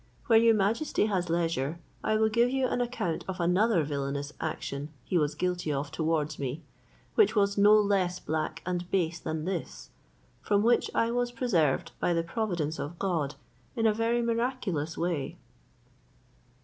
When your majesty has leisure, I will give you an account of another villanous action he was guilty of towards me, which was no less black and base than this, from which I was preserved by the providence of God in a very miraculous way."